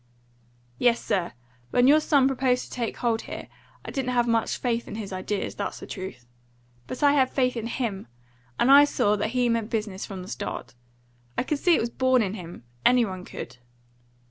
"Yes, sir, when your son proposed to take hold here, I didn't have much faith in his ideas, that's the truth. But I had faith in him, and I saw that he meant business from the start. I could see it was born in him. Any one could."